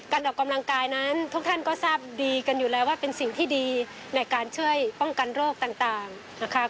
ออกกำลังกายนั้นทุกท่านก็ทราบดีกันอยู่แล้วว่าเป็นสิ่งที่ดีในการช่วยป้องกันโรคต่างนะคะ